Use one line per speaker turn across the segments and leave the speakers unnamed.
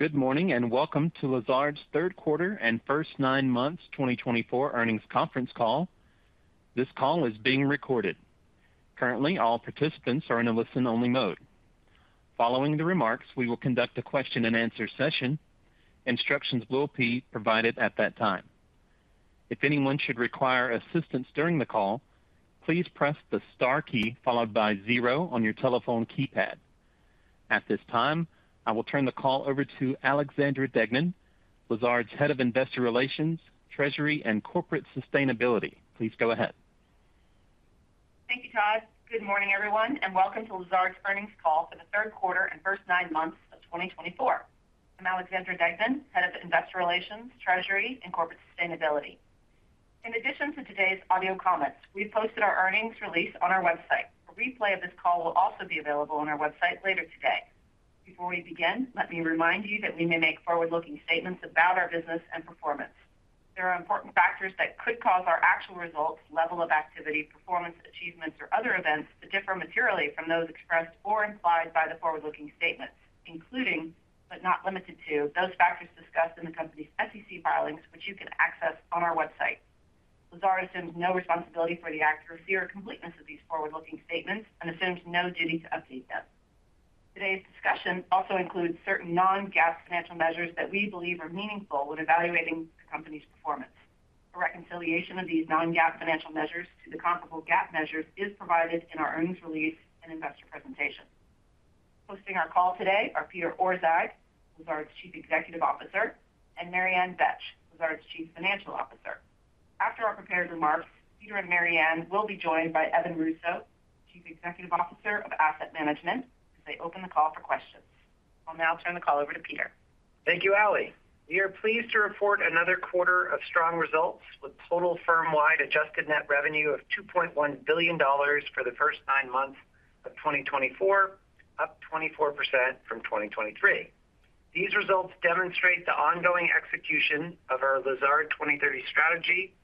Good morning and welcome to Lazard's third quarter and first nine months 2024 earnings conference call. This call is being recorded. Currently, all participants are in a listen-only mode. Following the remarks, we will conduct a question-and-answer session. Instructions will be provided at that time. If anyone should require assistance during the call, please press the star key followed by zero on your telephone keypad. At this time, I will turn the call over to Alexandra Deignan, Lazard's Head of Investor Relations, Treasury, and Corporate Sustainability. Please go ahead.
Thank you, Todd. Good morning, everyone, and welcome to Lazard's earnings call for the third quarter and first nine months of 2024. I'm Alexandra Deignan, Head of Investor Relations, Treasury, and Corporate Sustainability. In addition to today's audio comments, we posted our earnings release on our website. A replay of this call will also be available on our website later today. Before we begin, let me remind you that we may make forward-looking statements about our business and performance. There are important factors that could cause our actual results, level of activity, performance, achievements, or other events to differ materially from those expressed or implied by the forward-looking statements, including, but not limited to, those factors discussed in the company's SEC filings, which you can access on our website. Lazard assumes no responsibility for the accuracy or completeness of these forward-looking statements and assumes no duty to update them. Today's discussion also includes certain non-GAAP financial measures that we believe are meaningful when evaluating the company's performance. A reconciliation of these non-GAAP financial measures to the comparable GAAP measures is provided in our earnings release and investor presentation. Hosting our call today are Peter Orszag, Lazard's Chief Executive Officer, and Mary Ann Betsch, Lazard's Chief Financial Officer. After our prepared remarks, Peter and Mary Ann will be joined by Evan Russo, Chief Executive Officer of Asset Management, as they open the call for questions. I'll now turn the call over to Peter.
Thank you, Ali. We are pleased to report another quarter of strong results with total firm-wide adjusted net revenue of $2.1 billion for the first nine months of 2024, up 24% from 2023. These results demonstrate the ongoing execution of our Lazard 2030 strategy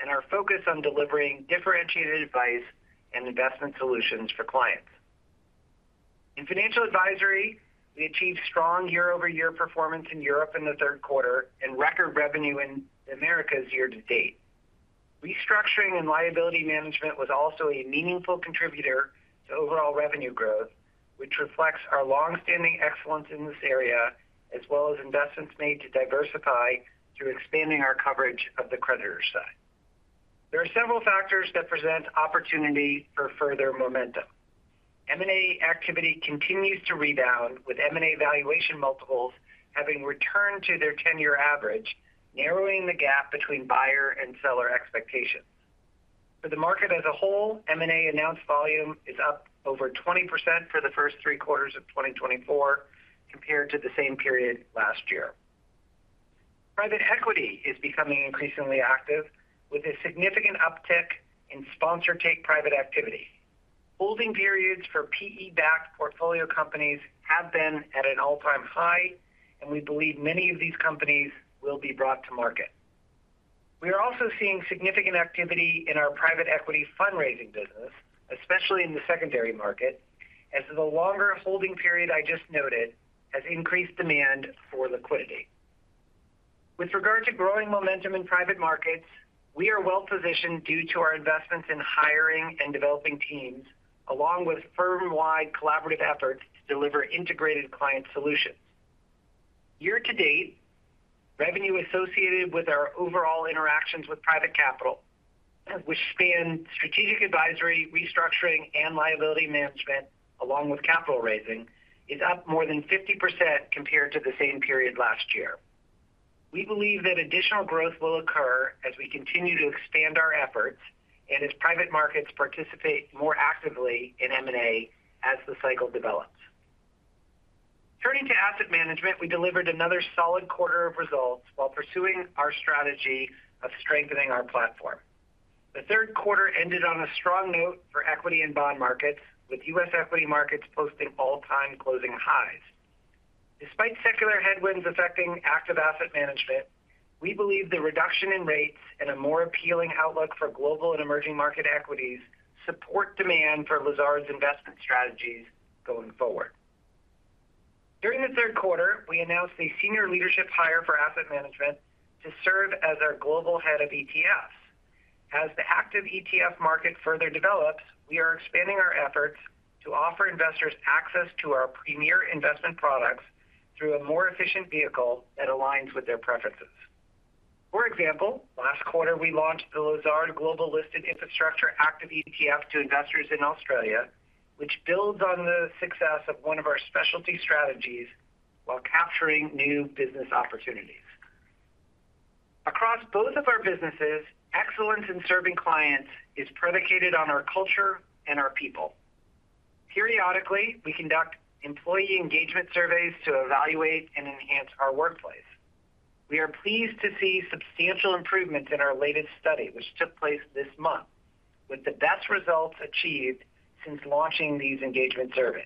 and our focus on delivering differentiated advice and investment solutions for clients. In financial advisory, we achieved strong year-over-year performance in Europe in the third quarter and record revenue in the Americas year-to-date. Restructuring and liability management was also a meaningful contributor to overall revenue growth, which reflects our long-standing excellence in this area, as well as investments made to diversify through expanding our coverage of the creditor side. There are several factors that present opportunity for further momentum. M&A activity continues to rebound, with M&A valuation multiples having returned to their 10-year average, narrowing the gap between buyer and seller expectations. For the market as a whole, M&A announced volume is up over 20% for the first three quarters of 2024 compared to the same period last year. Private equity is becoming increasingly active, with a significant uptick in sponsor take-private activity. Holding periods for PE-backed portfolio companies have been at an all-time high, and we believe many of these companies will be brought to market. We are also seeing significant activity in our private equity fundraising business, especially in the secondary market, as the longer holding period I just noted has increased demand for liquidity. With regard to growing momentum in private markets, we are well-positioned due to our investments in hiring and developing teams, along with firm-wide collaborative efforts to deliver integrated client solutions. Year-to-date, revenue associated with our overall interactions with private capital, which spanned strategic advisory, restructuring, and liability management, along with capital raising, is up more than 50% compared to the same period last year. We believe that additional growth will occur as we continue to expand our efforts and as private markets participate more actively in M&A as the cycle develops. Turning to asset management, we delivered another solid quarter of results while pursuing our strategy of strengthening our platform. The third quarter ended on a strong note for equity and bond markets, with U.S. equity markets posting all-time closing highs. Despite secular headwinds affecting active asset management, we believe the reduction in rates and a more appealing outlook for global and emerging market equities support demand for Lazard's investment strategies going forward. During the third quarter, we announced a senior leadership hire for asset management to serve as our global head of ETFs. As the active ETF market further develops, we are expanding our efforts to offer investors access to our premier investment products through a more efficient vehicle that aligns with their preferences. For example, last quarter, we launched the Lazard Global Listed Infrastructure Active ETF to investors in Australia, which builds on the success of one of our specialty strategies while capturing new business opportunities. Across both of our businesses, excellence in serving clients is predicated on our culture and our people. Periodically, we conduct employee engagement surveys to evaluate and enhance our workplace. We are pleased to see substantial improvements in our latest study, which took place this month, with the best results achieved since launching these engagement surveys.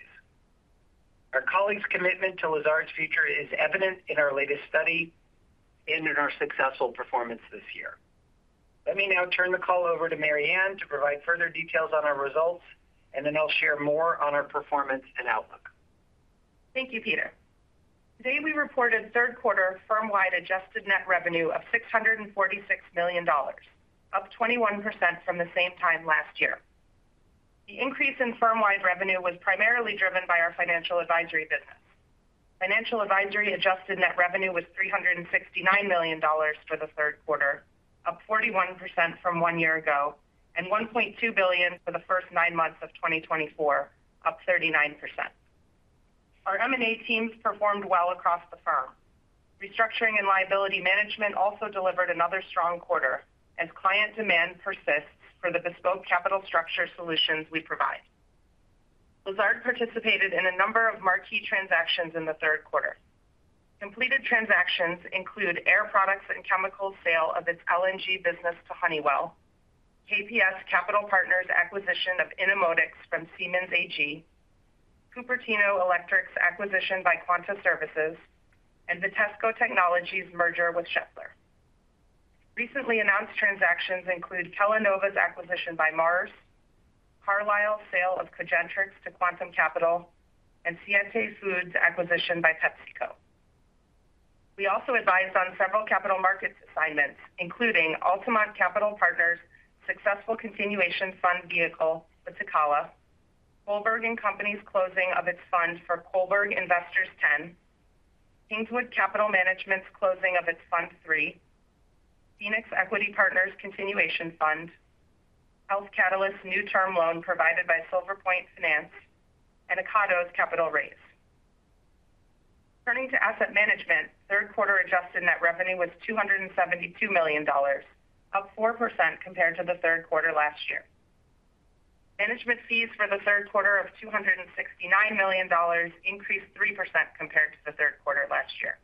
Our colleagues' commitment to Lazard's future is evident in our latest study and in our successful performance this year. Let me now turn the call over to Mary Ann to provide further details on our results, and then I'll share more on our performance and outlook.
Thank you, Peter. Today, we reported third-quarter firm-wide adjusted net revenue of $646 million, up 21% from the same time last year. The increase in firm-wide revenue was primarily driven by our Financial Advisory business. Financial Advisory adjusted net revenue was $369 million for the third quarter, up 41% from one year ago, and $1.2 billion for the first nine months of 2024, up 39%. Our M&A teams performed well across the firm. Restructuring and liability management also delivered another strong quarter as client demand persists for the bespoke capital structure solutions we provide. Lazard participated in a number of marquee transactions in the third quarter. Completed transactions include Air Products and Chemicals' sale of its LNG business to Honeywell, KPS Capital Partners' acquisition of Innomotics from Siemens AG, Cupertino Electric's acquisition by Quanta Services, and Vitesco Technologies' merger with Schaeffler. Recently announced transactions include Kellanova's acquisition by Mars, Carlyle's sale of Cogentrix to Quantum Capital, and Siete Foods' acquisition by PepsiCo. We also advised on several capital markets assignments, including Altamont Capital Partners' successful continuation fund vehicle with Tacala, Kohlberg & Company's closing of its fund for Kohlberg Investors X, Kingswood Capital Management's closing of its Fund III, Phoenix Equity Partners' continuation fund, Health Catalyst's new term loan provided by Silver Point Finance, and Ocado's capital raise. Turning to asset management, third-quarter adjusted net revenue was $272 million, up 4% compared to the third quarter last year. Management fees for the third quarter of $269 million increased 3% compared to the third quarter last year.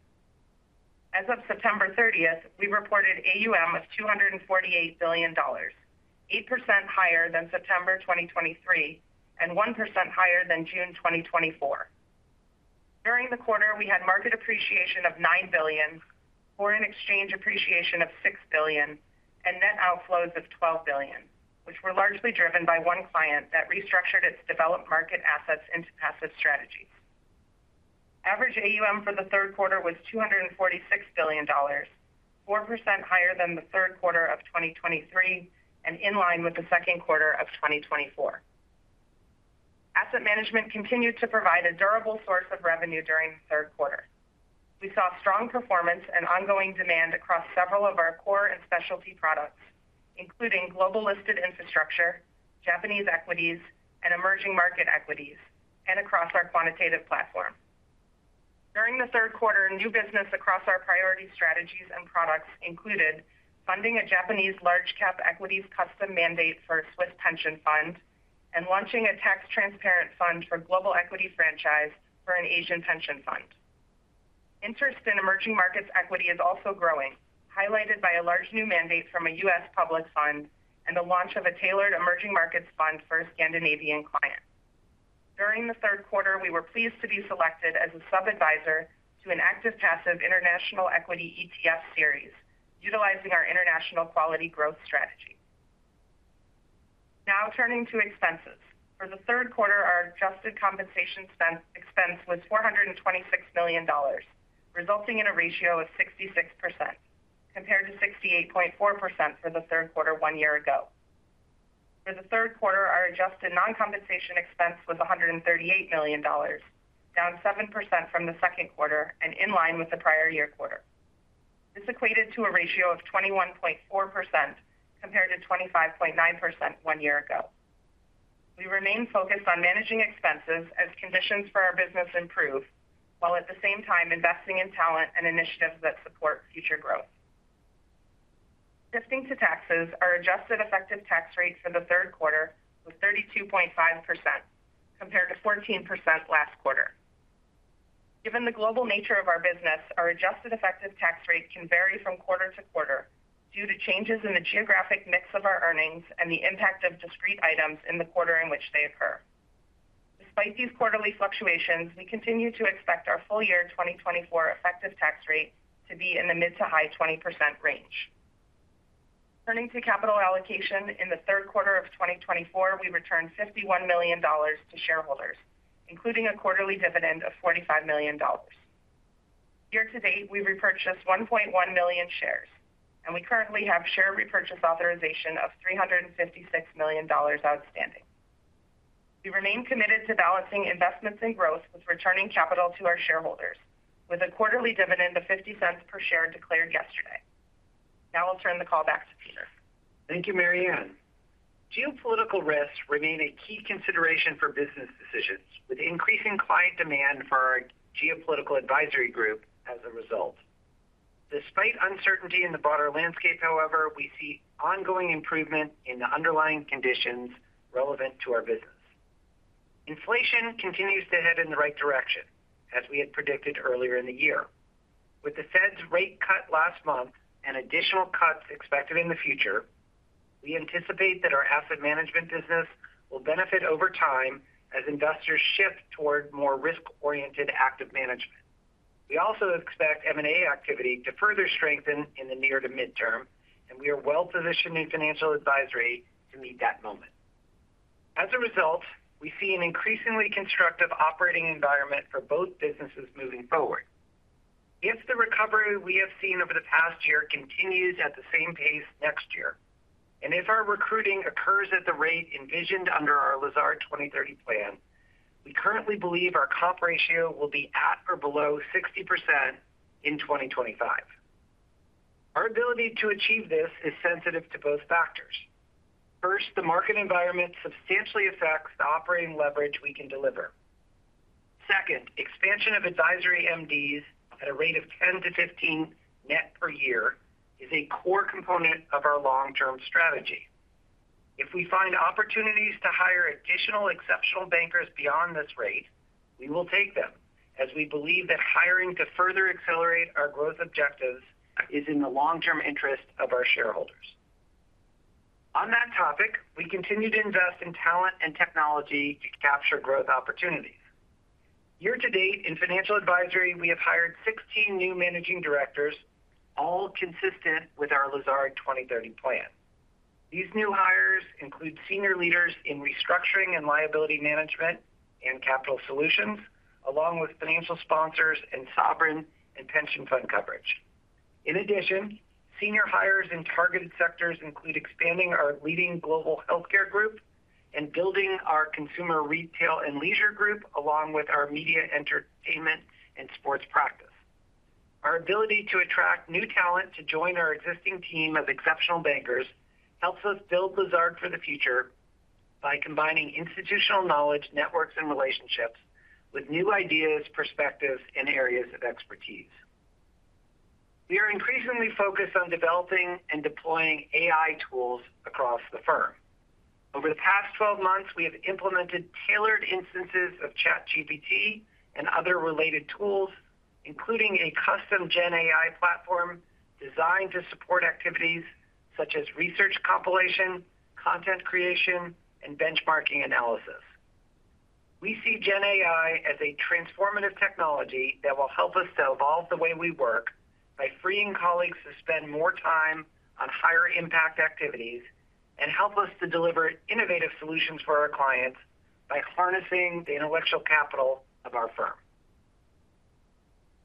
As of September 30th, we reported AUM of $248 billion, 8% higher than September 2023 and 1% higher than June 2024. During the quarter, we had market appreciation of $9 billion, foreign exchange appreciation of $6 billion, and net outflows of $12 billion, which were largely driven by one client that restructured its developed market assets into passive strategies. Average AUM for the third quarter was $246 billion, 4% higher than the third quarter of 2023 and in line with the second quarter of 2024. Asset management continued to provide a durable source of revenue during the third quarter. We saw strong performance and ongoing demand across several of our core and specialty products, including global listed infrastructure, Japanese equities, and emerging market equities, and across our quantitative platform. During the third quarter, new business across our priority strategies and products included funding a Japanese large-cap equities custom mandate for a Swiss pension fund and launching a tax-transparent fund for global equity franchise for an Asian pension fund. Interest in emerging markets equity is also growing, highlighted by a large new mandate from a U.S. public fund and the launch of a tailored emerging markets fund for a Scandinavian client. During the third quarter, we were pleased to be selected as a sub-advisor to an ActivePassive international equity ETF series, utilizing our international quality growth strategy. Now turning to expenses. For the third quarter, our adjusted compensation expense was $426 million, resulting in a ratio of 66% compared to 68.4% for the third quarter one year ago. For the third quarter, our adjusted non-compensation expense was $138 million, down 7% from the second quarter and in line with the prior year quarter. This equated to a ratio of 21.4% compared to 25.9% one year ago. We remain focused on managing expenses as conditions for our business improve, while at the same time investing in talent and initiatives that support future growth. Shifting to taxes, our adjusted effective tax rate for the third quarter was 32.5% compared to 14% last quarter. Given the global nature of our business, our adjusted effective tax rate can vary from quarter to quarter due to changes in the geographic mix of our earnings and the impact of discrete items in the quarter in which they occur. Despite these quarterly fluctuations, we continue to expect our full year 2024 effective tax rate to be in the mid- to high-20% range. Turning to capital allocation, in the third quarter of 2024, we returned $51 million to shareholders, including a quarterly dividend of $45 million. Year-to-date, we've repurchased 1.1 million shares, and we currently have share repurchase authorization of $356 million outstanding. We remain committed to balancing investments and growth with returning capital to our shareholders, with a quarterly dividend of $0.50 per share declared yesterday. Now I'll turn the call back to Peter.
Thank you, Mary Ann. Geopolitical risks remain a key consideration for business decisions, with increasing client demand for our geopolitical advisory group as a result. Despite uncertainty in the broader landscape, however, we see ongoing improvement in the underlying conditions relevant to our business. Inflation continues to head in the right direction, as we had predicted earlier in the year. With the Fed's rate cut last month and additional cuts expected in the future, we anticipate that our asset management business will benefit over time as investors shift toward more risk-oriented active management. We also expect M&A activity to further strengthen in the near to midterm, and we are well-positioned in financial advisory to meet that moment. As a result, we see an increasingly constructive operating environment for both businesses moving forward. If the recovery we have seen over the past year continues at the same pace next year, and if our recruiting occurs at the rate envisioned under our Lazard 2030 plan, we currently believe our comp ratio will be at or below 60% in 2025. Our ability to achieve this is sensitive to both factors. First, the market environment substantially affects the operating leverage we can deliver. Second, expansion of advisory MDs at a rate of 10-15 net per year is a core component of our long-term strategy. If we find opportunities to hire additional exceptional bankers beyond this rate, we will take them, as we believe that hiring to further accelerate our growth objectives is in the long-term interest of our shareholders. On that topic, we continue to invest in talent and technology to capture growth opportunities. Year-to-date, in financial advisory, we have hired 16 new managing directors, all consistent with our Lazard 2030 plan. These new hires include senior leaders in restructuring and liability management and capital solutions, along with financial sponsors and sovereign and pension fund coverage. In addition, senior hires in targeted sectors include expanding our leading global healthcare group and building our consumer retail and leisure group, along with our media entertainment and sports practice. Our ability to attract new talent to join our existing team of exceptional bankers helps us build Lazard for the future by combining institutional knowledge, networks, and relationships with new ideas, perspectives, and areas of expertise. We are increasingly focused on developing and deploying AI tools across the firm. Over the past 12 months, we have implemented tailored instances of ChatGPT and other related tools, including a custom GenAI platform designed to support activities such as research compilation, content creation, and benchmarking analysis. We see GenAI as a transformative technology that will help us to evolve the way we work by freeing colleagues to spend more time on higher-impact activities and help us to deliver innovative solutions for our clients by harnessing the intellectual capital of our firm.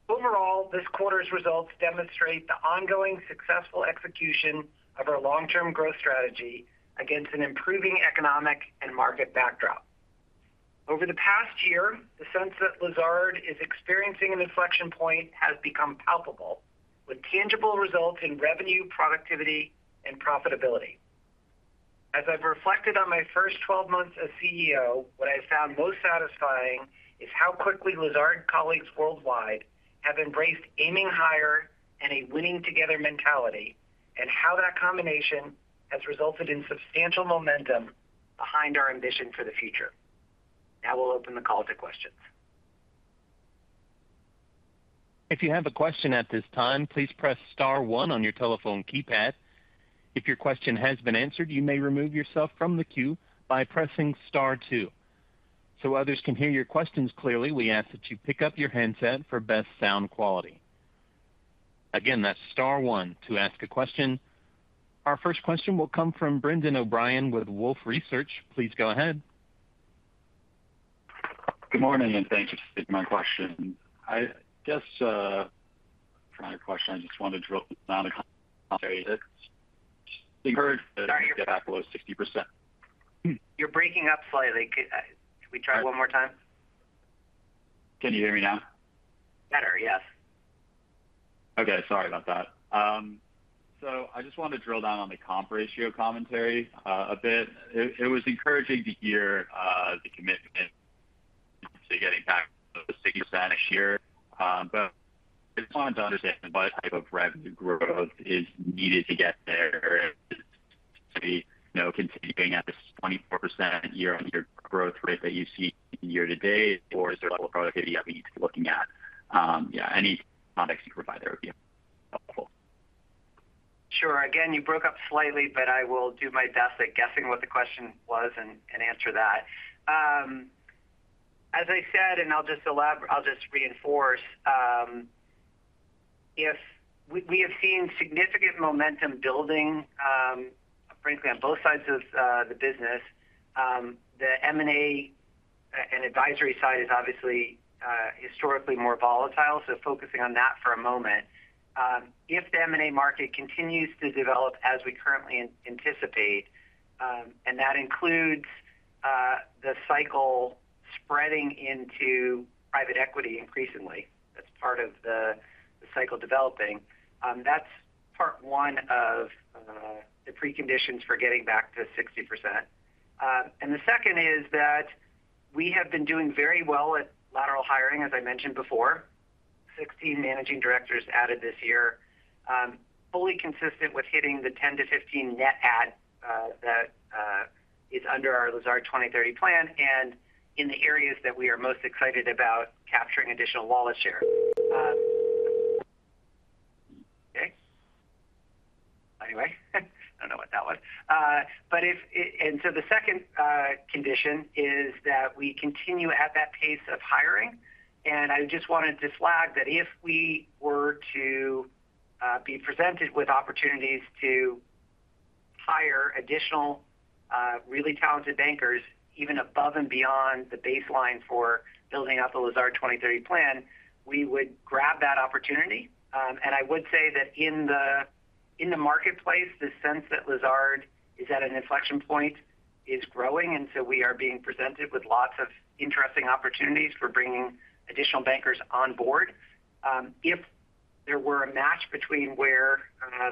Overall, this quarter's results demonstrate the ongoing successful execution of our long-term growth strategy against an improving economic and market backdrop. Over the past year, the sense that Lazard is experiencing an inflection point has become palpable, with tangible results in revenue, productivity, and profitability. As I've reflected on my first 12 months as CEO, what I've found most satisfying is how quickly Lazard colleagues worldwide have embraced aiming higher and a winning together mentality, and how that combination has resulted in substantial momentum behind our ambition for the future. Now we'll open the call to questions.
If you have a question at this time, please press Star 1 on your telephone keypad. If your question has been answered, you may remove yourself from the queue by pressing Star 2. So others can hear your questions clearly, we ask that you pick up your headset for best sound quality. Again, that's Star 1 to ask a question. Our first question will come from Brendan O’Brien with Wolfe Research. Please go ahead.
Good morning, and thank you for taking my question. I guess my question. I just wanted to drop down to commentary. It's encouraged to get back below 60%.
You're breaking up slightly. Can we try one more time?
Can you hear me now?
Better, yes.
Okay, sorry about that. So I just wanted to drill down on the comp ratio commentary a bit. It was encouraging to hear the commitment to getting back below 60% this year, but I just wanted to understand what type of revenue growth is needed to get there. Is it continuing at this 24% year-on-year growth rate that you see year-to-date, or is there a product that you have to be looking at? Yeah, any context you provide there would be helpful.
Sure. Again, you broke up slightly, but I will do my best at guessing what the question was and answer that. As I said, and I'll just reinforce, we have seen significant momentum building, frankly, on both sides of the business. The M&A and advisory side is obviously historically more volatile, so focusing on that for a moment. If the M&A market continues to develop as we currently anticipate, and that includes the cycle spreading into private equity increasingly, that's part one of the preconditions for getting back to 60%. And the second is that we have been doing very well at lateral hiring, as I mentioned before. 16 managing directors added this year, fully consistent with hitting the 10-15 net adds that is under our Lazard 2030 plan and in the areas that we are most excited about capturing additional wallet share. Okay. Anyway, I don't know what that was. And so the second condition is that we continue at that pace of hiring. And I just wanted to flag that if we were to be presented with opportunities to hire additional really talented bankers, even above and beyond the baseline for building out the Lazard 2030 plan, we would grab that opportunity. And I would say that in the marketplace, the sense that Lazard is at an inflection point is growing, and so we are being presented with lots of interesting opportunities for bringing additional bankers on board. If there were a match between where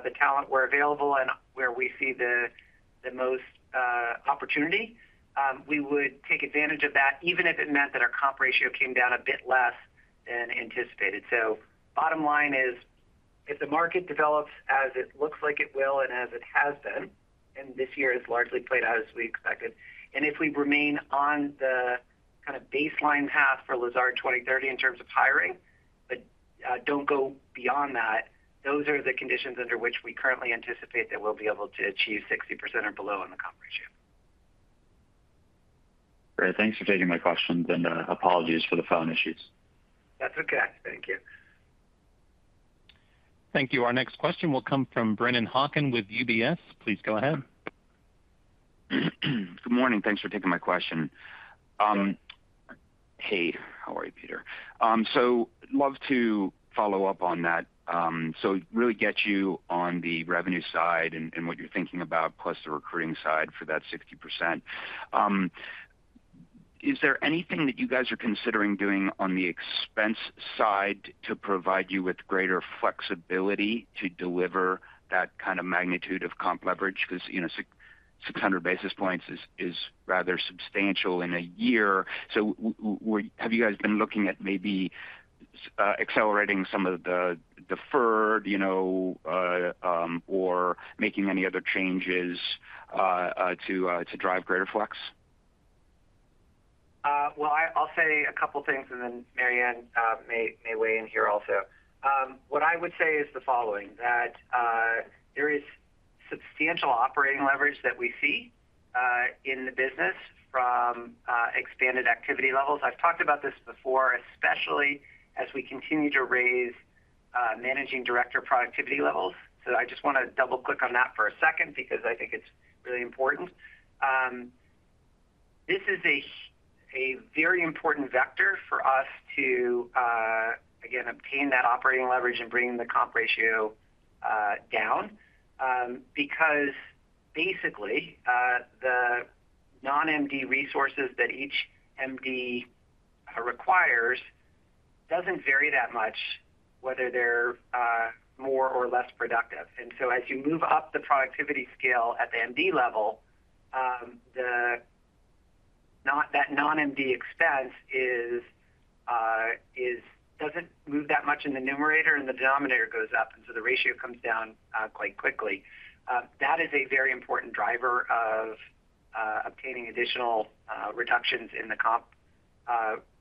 the talent were available and where we see the most opportunity, we would take advantage of that, even if it meant that our comp ratio came down a bit less than anticipated. So bottom line is, if the market develops as it looks like it will and as it has been, and this year has largely played out as we expected, and if we remain on the kind of baseline path for Lazard 2030 in terms of hiring, but don't go beyond that, those are the conditions under which we currently anticipate that we'll be able to achieve 60% or below on the comp ratio.
Great. Thanks for taking my question and apologies for the phone issues.
That's okay. Thank you.
Thank you. Our next question will come from Brendan Hawken with UBS. Please go ahead.
Good morning. Thanks for taking my question. Hey, how are you, Peter? So love to follow up on that. So really get you on the revenue side and what you're thinking about, plus the recruiting side for that 60%. Is there anything that you guys are considering doing on the expense side to provide you with greater flexibility to deliver that kind of magnitude of comp leverage? Because 600 basis points is rather substantial in a year. So have you guys been looking at maybe accelerating some of the deferred or making any other changes to drive greater flex?
I'll say a couple of things, and then Mary Ann may weigh in here also. What I would say is the following, that there is substantial operating leverage that we see in the business from expanded activity levels. I've talked about this before, especially as we continue to raise managing director productivity levels. I just want to double-click on that for a second because I think it's really important. This is a very important vector for us to, again, obtain that operating leverage and bring the comp ratio down because, basically, the non-MD resources that each MD requires doesn't vary that much, whether they're more or less productive. So as you move up the productivity scale at the MD level, that non-MD expense doesn't move that much in the numerator, and the denominator goes up, and so the ratio comes down quite quickly. That is a very important driver of obtaining additional reductions in the comp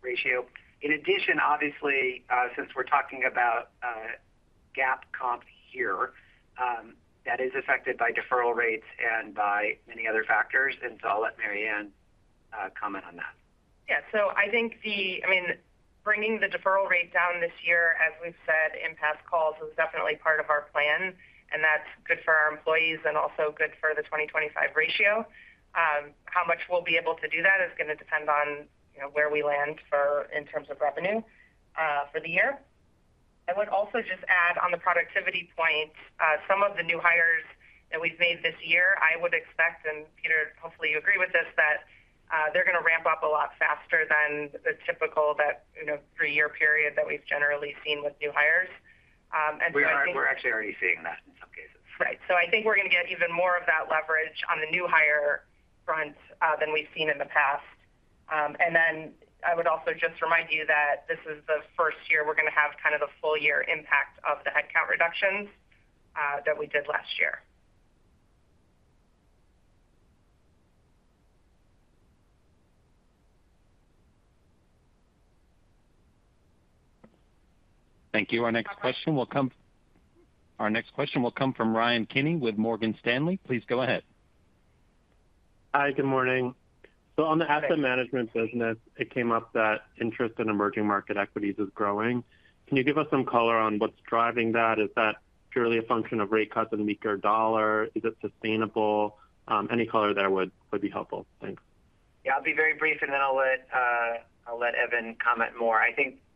ratio. In addition, obviously, since we're talking about GAAP comp here, that is affected by deferral rates and by many other factors, and so I'll let Mary Ann comment on that.
Yeah, so I think, I mean, bringing the deferral rate down this year, as we've said in past calls, is definitely part of our plan, and that's good for our employees and also good for the 2025 ratio. How much we'll be able to do that is going to depend on where we land in terms of revenue for the year. I would also just add, on the productivity point, some of the new hires that we've made this year, I would expect, and Peter, hopefully you agree with this, that they're going to ramp up a lot faster than the typical three-year period that we've generally seen with new hires.
We're actually already seeing that in some cases.
Right. So I think we're going to get even more of that leverage on the new hire front than we've seen in the past. And then I would also just remind you that this is the first year we're going to have kind of the full-year impact of the headcount reductions that we did last year.
Thank you. Our next question will come from Ryan Kenny with Morgan Stanley. Please go ahead.
Hi, good morning. So on the asset management business, it came up that interest in emerging market equities is growing. Can you give us some color on what's driving that? Is that purely a function of rate cuts in the weaker dollar? Is it sustainable? Any color there would be helpful. Thanks.
Yeah, I'll be very brief, and then I'll let Evan comment more. I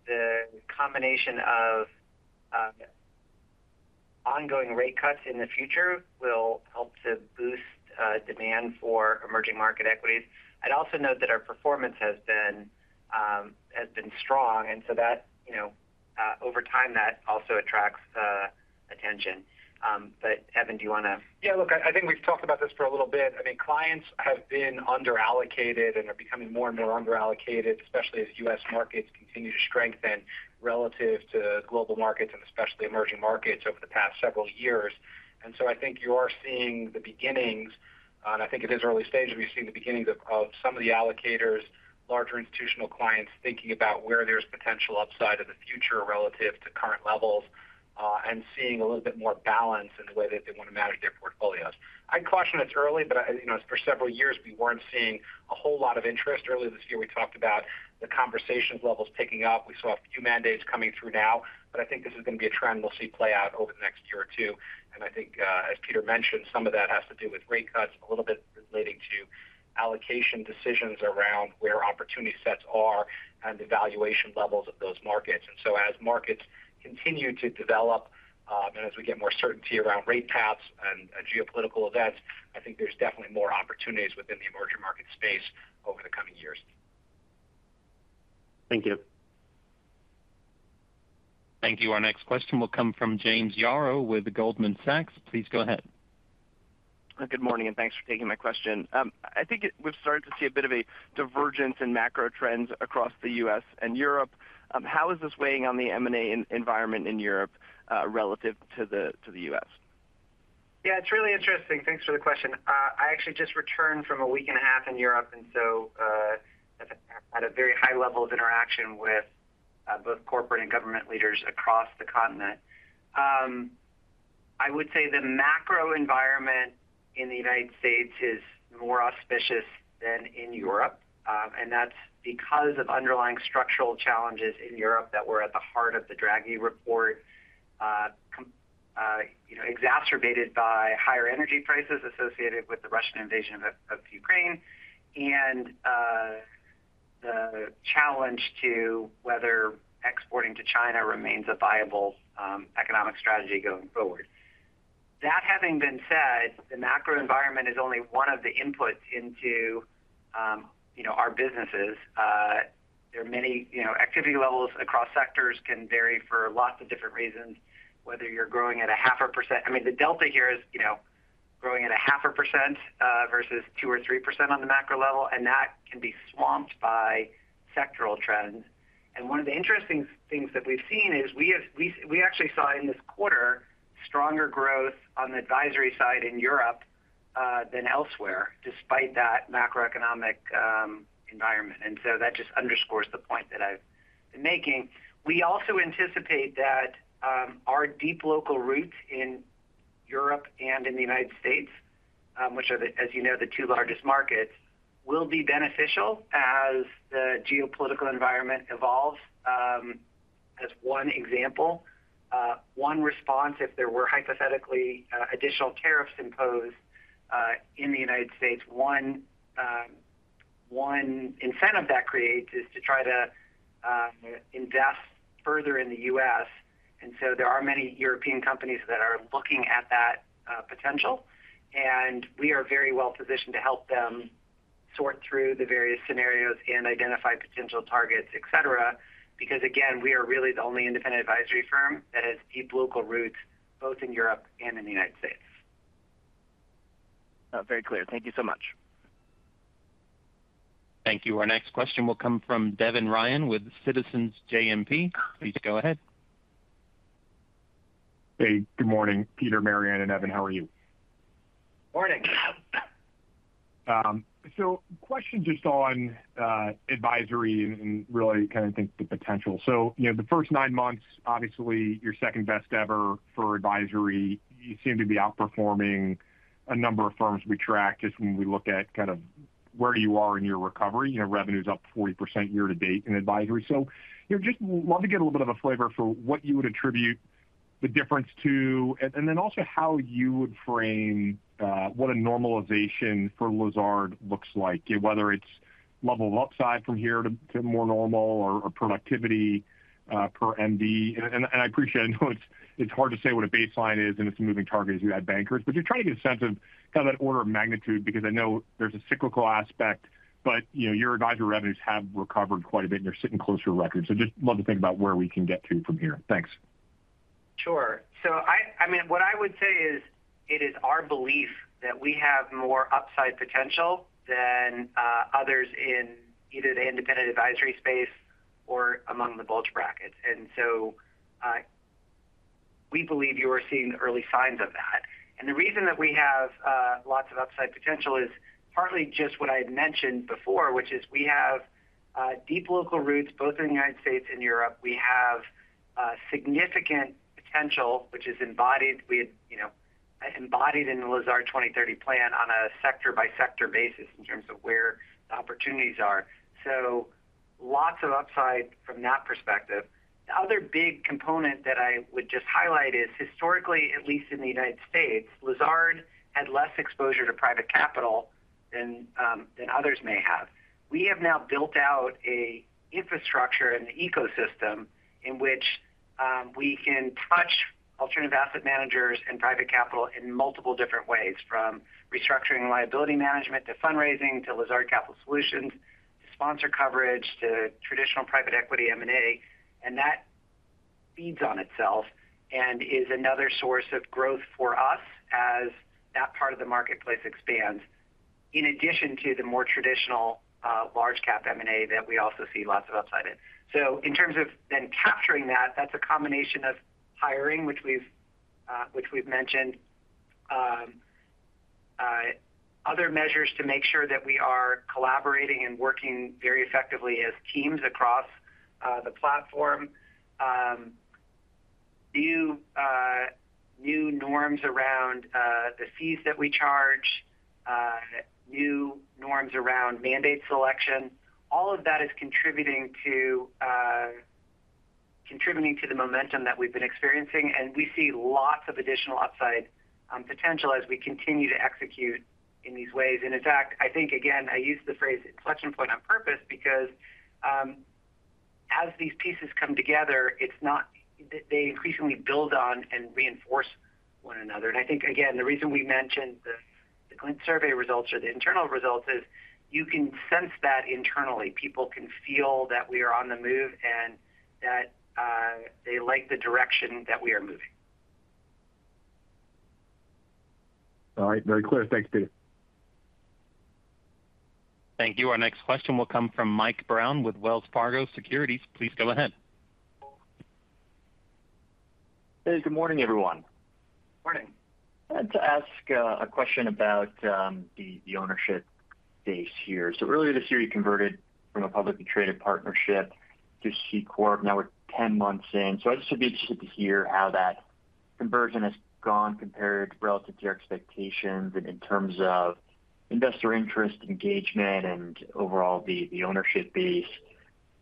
think the combination of ongoing rate cuts in the future will help to boost demand for emerging market equities. I'd also note that our performance has been strong, and so over time, that also attracts attention. But Evan, do you want to?
Yeah, look, I think we've talked about this for a little bit. I mean, clients have been underallocated and are becoming more and more underallocated, especially as U.S. markets continue to strengthen relative to global markets and especially emerging markets over the past several years. And so I think you are seeing the beginnings, and I think at this early stage, we've seen the beginnings of some of the allocators, larger institutional clients thinking about where there's potential upside in the future relative to current levels and seeing a little bit more balance in the way that they want to manage their portfolios. I'd caution it's early, but for several years, we weren't seeing a whole lot of interest. Earlier this year, we talked about the conversations levels picking up. We saw a few mandates coming through now, but I think this is going to be a trend we'll see play out over the next year or two. And I think, as Peter mentioned, some of that has to do with rate cuts, a little bit relating to allocation decisions around where opportunity sets are and the valuation levels of those markets. And so as markets continue to develop and as we get more certainty around rate paths and geopolitical events, I think there's definitely more opportunities within the emerging market space over the coming years.
Thank you. Thank you. Our next question will come from James Yarrow with Goldman Sachs. Please go ahead.
Good morning, and thanks for taking my question. I think we've started to see a bit of a divergence in macro trends across the U.S. and Europe. How is this weighing on the M&A environment in Europe relative to the U.S.?
Yeah, it's really interesting. Thanks for the question. I actually just returned from a week and a half in Europe, and so I've had a very high level of interaction with both corporate and government leaders across the continent. I would say the macro environment in the United States is more auspicious than in Europe, and that's because of underlying structural challenges in Europe that were at the heart of the Draghi report, exacerbated by higher energy prices associated with the Russian invasion of Ukraine and the challenge to whether exporting to China remains a viable economic strategy going forward. That having been said, the macro environment is only one of the inputs into our businesses. There are many activity levels across sectors that can vary for lots of different reasons, whether you're growing at 0.5%. I mean, the delta here is growing at 0.5% versus 2% or 3% on the macro level, and that can be swamped by sectoral trends, and one of the interesting things that we've seen is we actually saw in this quarter stronger growth on the advisory side in Europe than elsewhere, despite that macroeconomic environment, and so that just underscores the point that I've been making. We also anticipate that our deep local roots in Europe and in the United States, which are, as you know, the two largest markets, will be beneficial as the geopolitical environment evolves. As one example, one response, if there were hypothetically additional tariffs imposed in the United States, one incentive that creates is to try to invest further in the U.S. And so there are many European companies that are looking at that potential, and we are very well positioned to help them sort through the various scenarios and identify potential targets, etc., because, again, we are really the only independent advisory firm that has deep local roots both in Europe and in the United States.
Very clear. Thank you so much. Thank you. Our next question will come from Devin Ryan with Citizens JMP. Please go ahead.
Hey, good morning, Peter, Mary Ann, and Evan. How are you?
Morning.
So, question just on advisory and really kind of think the potential. So the first nine months, obviously, your second best ever for advisory, you seem to be outperforming a number of firms we track just when we look at kind of where you are in your recovery. Revenue is up 40% year to date in advisory. So just love to get a little bit of a flavor for what you would attribute the difference to, and then also how you would frame what a normalization for Lazard looks like, whether it's level of upside from here to more normal or productivity per MD. And I appreciate it. I know it's hard to say what a baseline is and it's a moving target as you add bankers, but just trying to get a sense of kind of that order of magnitude because I know there's a cyclical aspect, but your advisory revenues have recovered quite a bit and they're sitting closer to record. So just love to think about where we can get to from here. Thanks.
Sure. So I mean, what I would say is it is our belief that we have more upside potential than others in either the independent advisory space or among the bulge brackets. And so we believe you are seeing the early signs of that. And the reason that we have lots of upside potential is partly just what I had mentioned before, which is we have deep local roots both in the United States and Europe. We have significant potential, which is embodied in the Lazard 2030 plan on a sector-by-sector basis in terms of where the opportunities are. So lots of upside from that perspective. The other big component that I would just highlight is historically, at least in the United States, Lazard had less exposure to private capital than others may have. We have now built out an infrastructure and an ecosystem in which we can touch alternative asset managers and private capital in multiple different ways, from restructuring liability management to fundraising to Lazard Capital Solutions to sponsor coverage to traditional private equity M&A. And that feeds on itself and is another source of growth for us as that part of the marketplace expands, in addition to the more traditional large-cap M&A that we also see lots of upside in. So in terms of then capturing that, that's a combination of hiring, which we've mentioned, other measures to make sure that we are collaborating and working very effectively as teams across the platform, new norms around the fees that we charge, new norms around mandate selection. All of that is contributing to the momentum that we've been experiencing, and we see lots of additional upside potential as we continue to execute in these ways. And in fact, I think, again, I used the phrase inflection point on purpose because as these pieces come together, they increasingly build on and reinforce one another. And I think, again, the reason we mentioned the client survey results or the internal results is you can sense that internally. People can feel that we are on the move and that they like the direction that we are moving.
All right. Very clear. Thanks, Peter.
Thank you. Our next question will come from Mike Brown with Wells Fargo Securities. Please go ahead.
Hey, good morning, everyone.
Morning.
I'd like to ask a question about the ownership base here. So earlier this year, you converted from a publicly traded partnership to C Corp. Now we're 10 months in. So I'd just be interested to hear how that conversion has gone compared relative to your expectations and in terms of investor interest, engagement, and overall the ownership base.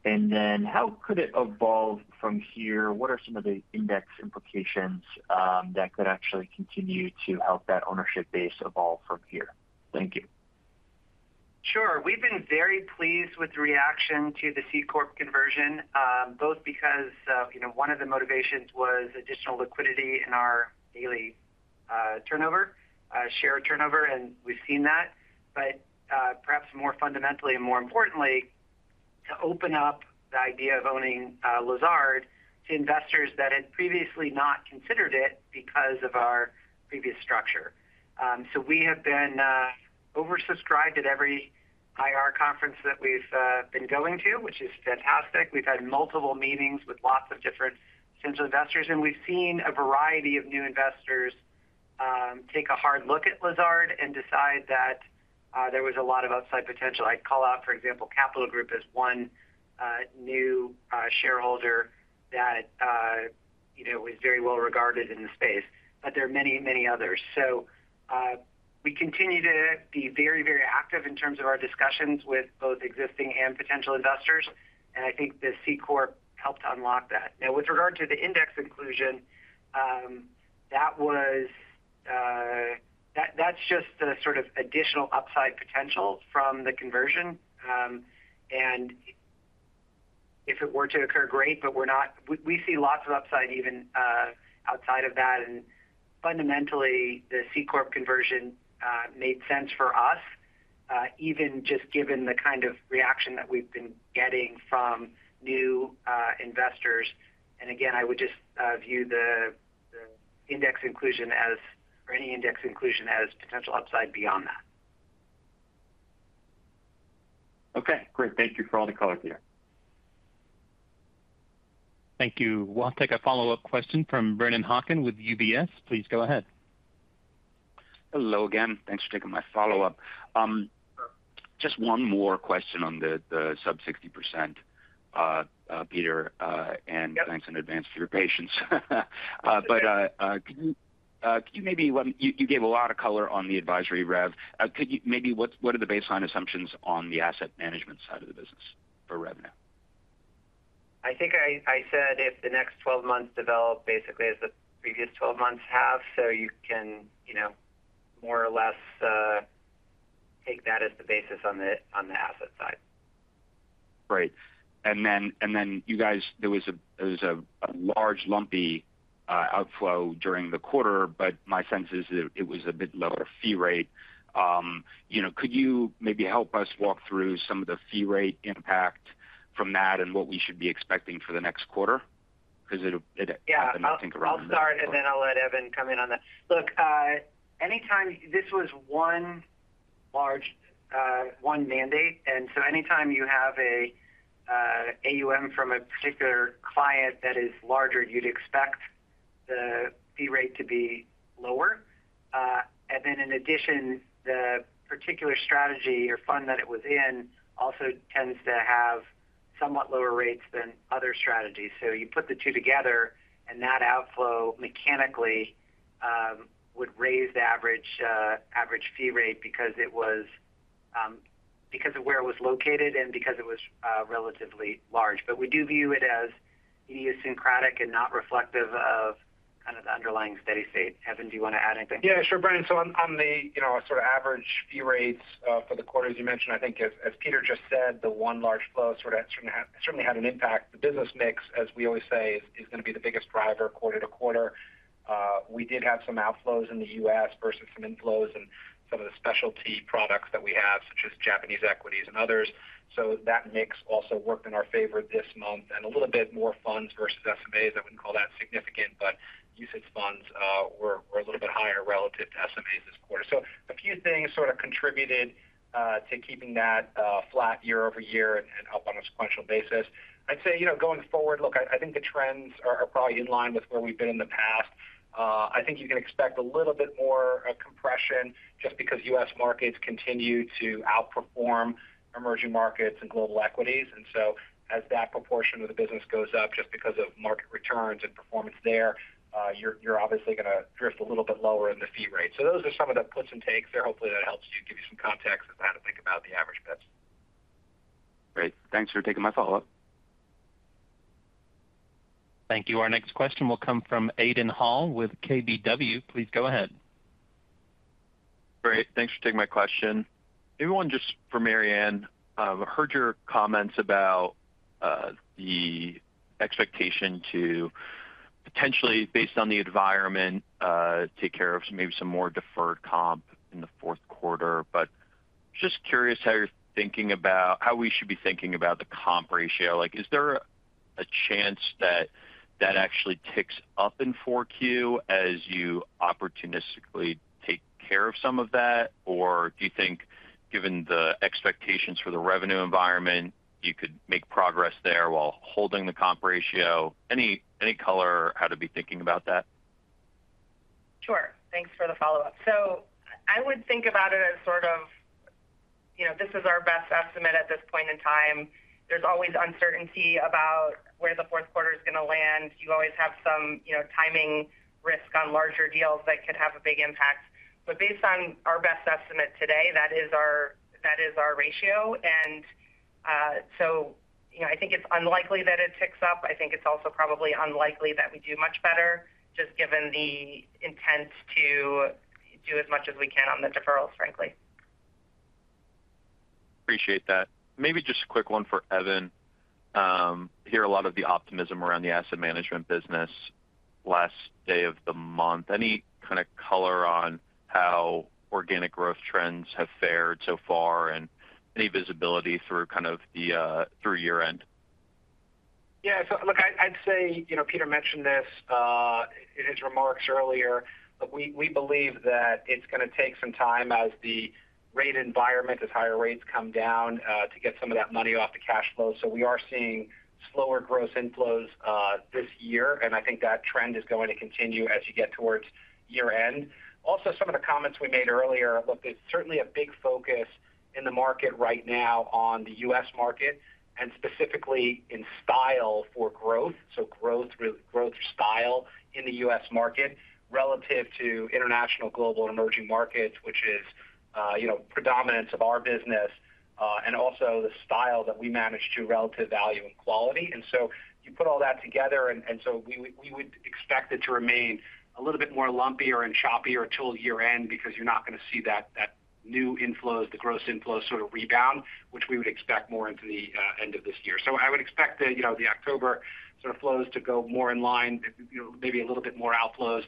And then how could it evolve from here? What are some of the index implications that could actually continue to help that ownership base evolve from here? Thank you.
Sure. We've been very pleased with the reaction to the C Corp conversion, both because one of the motivations was additional liquidity in our daily turnover, share turnover, and we've seen that. But perhaps more fundamentally and more importantly, to open up the idea of owning Lazard to investors that had previously not considered it because of our previous structure. So we have been oversubscribed at every IR conference that we've been going to, which is fantastic. We've had multiple meetings with lots of different potential investors, and we've seen a variety of new investors take a hard look at Lazard and decide that there was a lot of upside potential. I'd call out, for example, Capital Group as one new shareholder that was very well regarded in the space, but there are many, many others. So we continue to be very, very active in terms of our discussions with both existing and potential investors, and I think the C Corp helped unlock that. Now, with regard to the index inclusion, that's just the sort of additional upside potential from the conversion. And if it were to occur, great, but we see lots of upside even outside of that. And fundamentally, the C Corp conversion made sense for us, even just given the kind of reaction that we've been getting from new investors. And again, I would just view the index inclusion or any index inclusion as potential upside beyond that.
Okay. Great. Thank you for all the color here.
Thank you. We'll take a follow-up question from Brendan Hawken with UBS. Please go ahead.
Hello again. Thanks for taking my follow-up. Just one more question on the sub-60%, Peter, and thanks in advance for your patience. But could you maybe you gave a lot of color on the advisory rev. Maybe what are the baseline assumptions on the asset management side of the business for revenue?
I think I said if the next 12 months develop basically as the previous 12 months have, so you can more or less take that as the basis on the asset side.
Right. And then you guys, there was a large lumpy outflow during the quarter, but my sense is that it was a bit lower fee rate. Could you maybe help us walk through some of the fee rate impact from that and what we should be expecting for the next quarter? Because it happened, I think, around there.
Yeah. I'll start, and then I'll let Evan come in on that. Look, this was one mandate. And so anytime you have an AUM from a particular client that is larger, you'd expect the fee rate to be lower. And then in addition, the particular strategy or fund that it was in also tends to have somewhat lower rates than other strategies. So you put the two together, and that outflow mechanically would raise the average fee rate because of where it was located and because it was relatively large. But we do view it as idiosyncratic and not reflective of kind of the underlying steady state. Evan, do you want to add anything?
Yeah, sure, Brown. So on the sort of average fee rates for the quarter, as you mentioned, I think, as Peter just said, the one large flow certainly had an impact. The business mix, as we always say, is going to be the biggest driver quarter to quarter. We did have some outflows in the U.S. versus some inflows in some of the specialty products that we have, such as Japanese equities and others. So that mix also worked in our favor this month. And a little bit more funds versus SMAs, I wouldn't call that significant, but mutual funds were a little bit higher relative to SMAs this quarter. So a few things sort of contributed to keeping that flat year over year and up on a sequential basis. I'd say going forward, look, I think the trends are probably in line with where we've been in the past. I think you can expect a little bit more compression just because U.S. markets continue to outperform emerging markets and global equities, and so as that proportion of the business goes up, just because of market returns and performance there, you're obviously going to drift a little bit lower in the fee rate, so those are some of the puts and takes there. Hopefully, that helps give you some context as to how to think about the average fees.
Great. Thanks for taking my follow-up.
Thank you. Our next question will come from Aidan Hall with KBW. Please go ahead.
Great. Thanks for taking my question. Everyone, just for Mary Ann, I heard your comments about the expectation to potentially, based on the environment, take care of maybe some more deferred comp in the fourth quarter. But just curious how you're thinking about how we should be thinking about the comp ratio. Is there a chance that that actually ticks up in 4Q as you opportunistically take care of some of that? Or do you think, given the expectations for the revenue environment, you could make progress there while holding the comp ratio? Any color how to be thinking about that?
Sure. Thanks for the follow-up. So I would think about it as sort of this is our best estimate at this point in time. There's always uncertainty about where the fourth quarter is going to land. You always have some timing risk on larger deals that could have a big impact. But based on our best estimate today, that is our ratio. And so I think it's unlikely that it ticks up. I think it's also probably unlikely that we do much better, just given the intent to do as much as we can on the deferrals, frankly.
Appreciate that. Maybe just a quick one for Evan. I hear a lot of the optimism around the asset management business last day of the month. Any kind of color on how organic growth trends have fared so far and any visibility through kind of the year-end?
Yeah. So look, I'd say Peter mentioned this in his remarks earlier, but we believe that it's going to take some time as the rate environment, as higher rates come down, to get some of that money off the cash flow. So we are seeing slower gross inflows this year, and I think that trend is going to continue as you get towards year-end. Also, some of the comments we made earlier. Look, there's certainly a big focus in the market right now on the U.S. market and specifically in style for growth, so growth style in the U.S. market relative to international global emerging markets, which is the predominance of our business and also the style that we manage to relative value and quality. And so you put all that together, and so we would expect it to remain a little bit more lumpier and choppier till year-end because you're not going to see that new inflows, the gross inflows sort of rebound, which we would expect more into the end of this year. So I would expect the October sort of flows to go more in line, maybe a little bit more outflows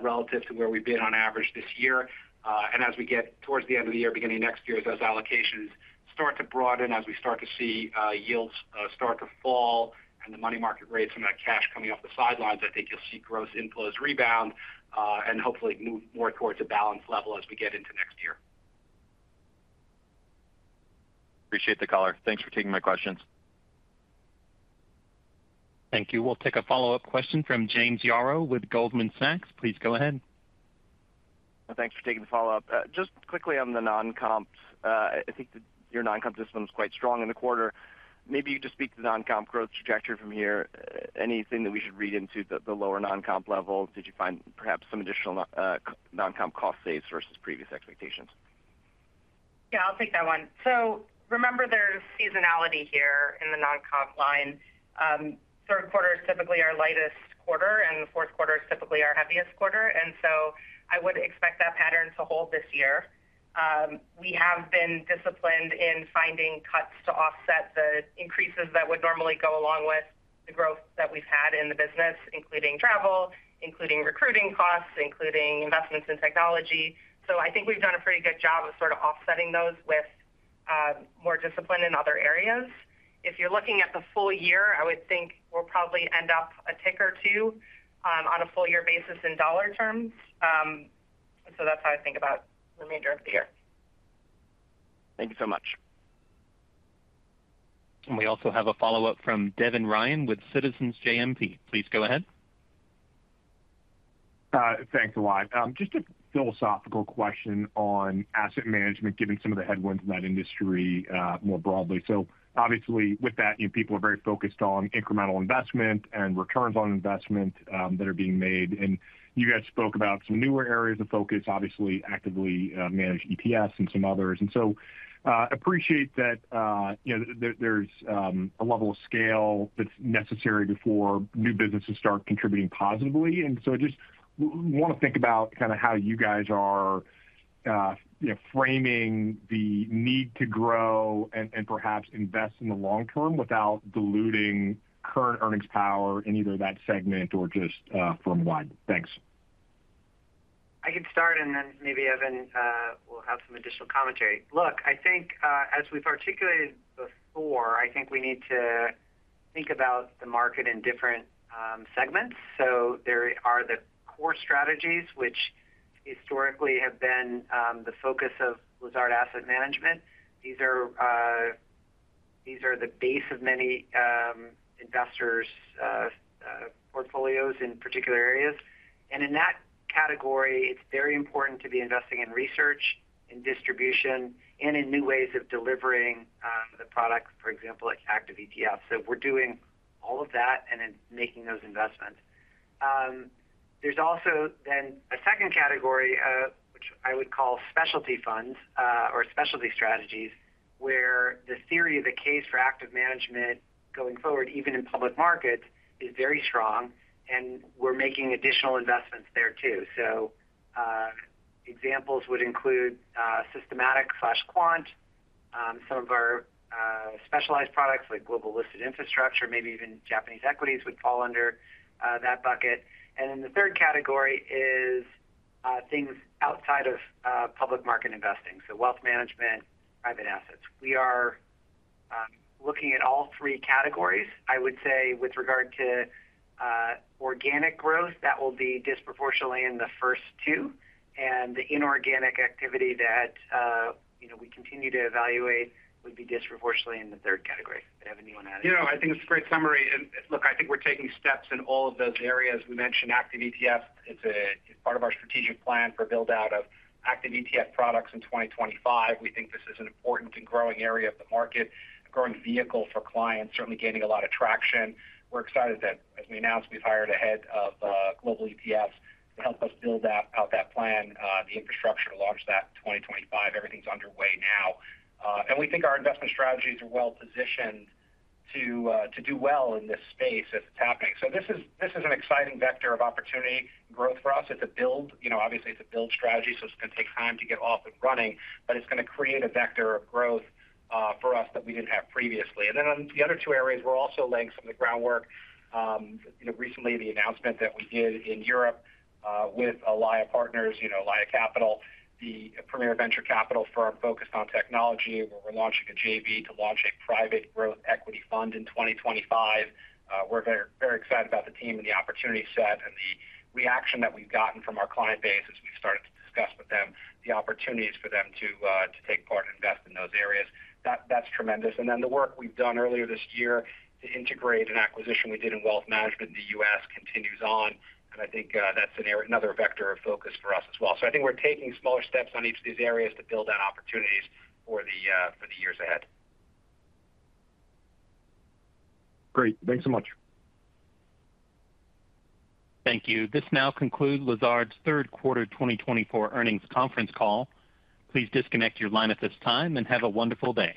relative to where we've been on average this year. And as we get towards the end of the year, beginning next year, as those allocations start to broaden, as we start to see yields start to fall, and the money market rates, and that cash coming off the sidelines, I think you'll see gross inflows rebound and hopefully move more towards a balanced level as we get into next year.
Appreciate the color. Thanks for taking my questions.
Thank you. We'll take a follow-up question from James Yaro with Goldman Sachs. Please go ahead.
Thanks for taking the follow-up. Just quickly on the non-comps, I think your non-comp system is quite strong in the quarter. Maybe you could speak to the non-comp growth trajectory from here. Anything that we should read into the lower non-comp level? Did you find perhaps some additional non-comp cost saves versus previous expectations?
Yeah, I'll take that one. So remember, there's seasonality here in the non-comp line. Third quarter is typically our lightest quarter, and the fourth quarter is typically our heaviest quarter. And so I would expect that pattern to hold this year. We have been disciplined in finding cuts to offset the increases that would normally go along with the growth that we've had in the business, including travel, including recruiting costs, including investments in technology. So I think we've done a pretty good job of sort of offsetting those with more discipline in other areas. If you're looking at the full year, I would think we'll probably end up a tick or two on a full-year basis in dollar terms. So that's how I think about the remainder of the year.
Thank you so much.
And we also have a follow-up from Devin Ryan with Citizens JMP. Please go ahead.
Thanks, Evan. Just a philosophical question on asset management, given some of the headwinds in that industry more broadly. So obviously, with that, people are very focused on incremental investment and returns on investment that are being made. And you guys spoke about some newer areas of focus, obviously actively managed ETFs and some others. And so I appreciate that there's a level of scale that's necessary before new businesses start contributing positively. And so I just want to think about kind of how you guys are framing the need to grow and perhaps invest in the long term without diluting current earnings power in either that segment or just firm-wide. Thanks.
I can start, and then maybe Evan will have some additional commentary. Look, I think as we've articulated before, I think we need to think about the market in different segments. So there are the core strategies, which historically have been the focus of Lazard Asset Management. These are the base of many investors' portfolios in particular areas. And in that category, it's very important to be investing in research, in distribution, and in new ways of delivering the product, for example, like active ETFs. So we're doing all of that and making those investments. There's also then a second category, which I would call specialty funds or specialty strategies, where the theory of the case for active management going forward, even in public markets, is very strong, and we're making additional investments there too. Examples would include systematic/quant, some of our specialized products like global listed infrastructure, maybe even Japanese equities would fall under that bucket. The third category is things outside of public market investing, so wealth management, private assets. We are looking at all three categories. I would say with regard to organic growth, that will be disproportionately in the first two. The inorganic activity that we continue to evaluate would be disproportionately in the third category. Did I have anyone add anything?
Yeah, I think it's a great summary. Look, I think we're taking steps in all of those areas. We mentioned active ETFs. It's part of our strategic plan for build-out of active ETF products in 2025. We think this is an important and growing area of the market, a growing vehicle for clients, certainly gaining a lot of traction. We're excited that, as we announced, we've hired a head of global ETFs to help us build out that plan, the infrastructure to launch that in 2025. Everything's underway now. We think our investment strategies are well-positioned to do well in this space as it's happening. This is an exciting vector of opportunity and growth for us. It's a build. Obviously, it's a build strategy, so it's going to take time to get off and running, but it's going to create a vector of growth for us that we didn't have previously, and then the other two areas, we're also laying some of the groundwork. Recently, the announcement that we did in Europe with Elaia Partners, the premier venture capital firm focused on technology, where we're launching a JV to launch a private growth equity fund in 2025. We're very excited about the team and the opportunity set and the reaction that we've gotten from our client base as we've started to discuss with them, the opportunities for them to take part and invest in those areas. That's tremendous, and then the work we've done earlier this year to integrate an acquisition we did in wealth management in the U.S. continues on. I think that's another vector of focus for us as well. So I think we're taking smaller steps on each of these areas to build out opportunities for the years ahead. Great. Thanks so much.
Thank you. This now concludes Lazard's third quarter 2024 earnings conference call. Please disconnect your line at this time and have a wonderful day.